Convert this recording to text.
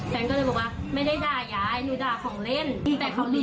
แฟงก็เลยบอกว่าไม่ได้ด่ายายหนูด่าของเล่นแต่เขาหลีนแหล่งกันหนู